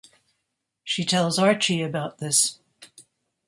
She tells Archie about this.